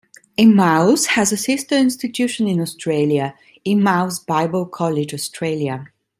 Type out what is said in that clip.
Emmaus has a sister institution in Australia, Emmaus Bible College, Australia.